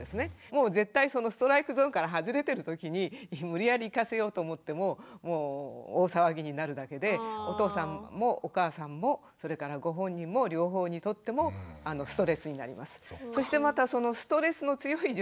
もう絶対そのストライクゾーンから外れてるときに無理やり行かせようと思っても大騒ぎになるだけでお父さんもお母さんもそれからご本人も両方にとってもストレスになります。